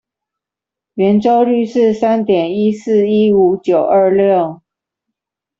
圓周率是三點一四一五九二六